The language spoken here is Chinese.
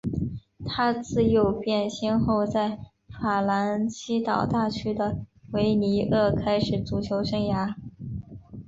他自幼便先后在法兰西岛大区的维尼厄开始足球生涯。